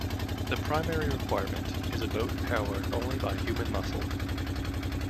The primary requirement is a boat powered only by human muscle.